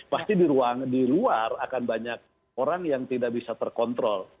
pasti di luar akan banyak orang yang tidak bisa terkontrol